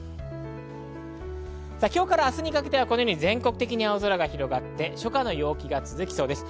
今日から明日にかけて全国的に青空が広がって、初夏の陽気が続きそうです。